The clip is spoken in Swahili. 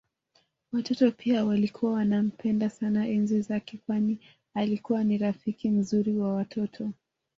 Watoto pia walikuwa wanampenda sana enzi zake kwani alikuwa ni rafiki mzuri wa watoto